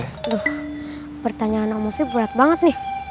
duh pertanyaan om ovi berat banget nih